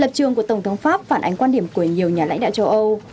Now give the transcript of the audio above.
lập trường của tổng thống pháp phản ánh quan điểm của nhiều nhà lãnh đạo châu âu